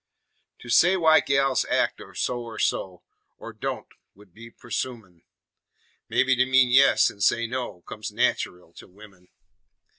To say why gals act so or so, Or don't, 'ould be presumin'; Mebby to mean yes an' say no Comes nateral to women.